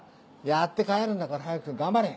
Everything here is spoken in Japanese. やって帰るんだから早く頑張れ！